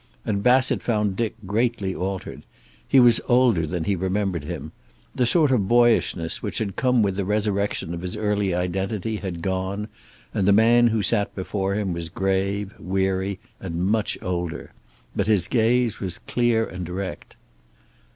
And Bassett found Dick greatly altered. He was older than he remembered him. The sort of boyishness which had come with the resurrection of his early identity had gone, and the man who sat before him was grave, weary, and much older. But his gaze was clear and direct.